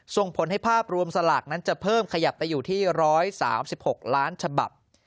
ส่งผลให้ภาพรวมสลากนั้นจะเพิ่มขยับไปอยู่ที่๑๓๖ล้านฉบับ